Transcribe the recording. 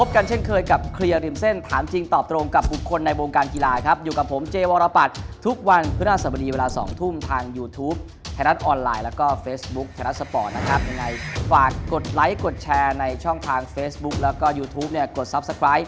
ก็คือพูดง่ายนักมวยถ่ายเข้ามาเซ็นปุ๊บ